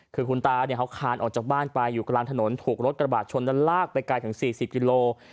คือคุณตาเขาคานออกจากบ้านไปอยู่กลางถนนถูกรถกระบาดชนและลากไปไกลถึง๔๐กิโล